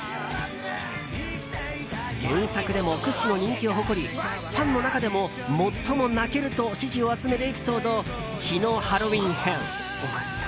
原作でも屈指の人気を誇りファンの中でも最も泣けると支持を集めるエピソード「血のハロウィン編」。